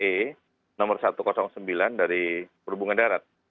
e nomor satu ratus sembilan dari perhubungan darat